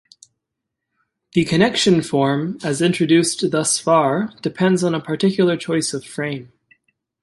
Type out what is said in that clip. The connection form, as introduced thus far, depends on a particular choice of frame.